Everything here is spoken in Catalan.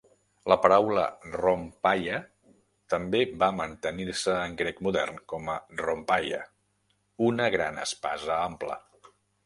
La paraula rhomphaia també va mantenir-se en grec modern com a rhomphaia, una "gran espasa ampla".